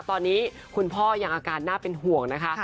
ตอนนี้คุณพ่อยังอาการน่าเป็นห่วงนะคะ